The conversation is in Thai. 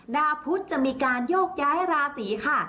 ดาวพุทธจะมีการโยกย้ายราศีค่ะ